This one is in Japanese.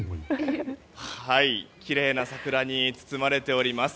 きれいな桜に包まれております。